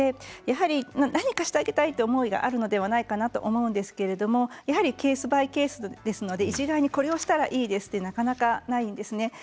やはり何かしてあげたいという思いがあるのではないかなと思うんですがケースバイケースですので一概にこれをしたらいいですとはなかなかないですね。